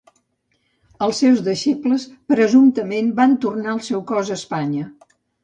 Els seus deixebles presumptament van tornar el seu cos a Espanya.